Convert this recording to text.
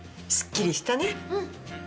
すっきりしたね。